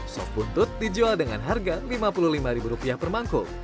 sop buntut dijual dengan harga lima puluh lima rupiah per mangkuk